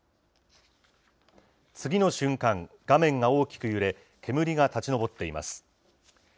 次の瞬間、画面が大きく揺れ、煙が立ち上っています。